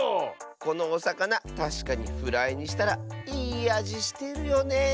このおさかなたしかにフライにしたらいいあじしてるよねえ。